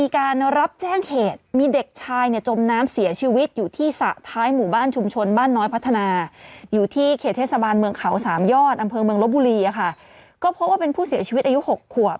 ก็พบว่าเป็นผู้เสียชีวิตอายุ๖ขวบ